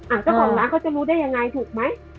เจ้าของร้านเขาจะรู้ได้ยังไงถูกไหม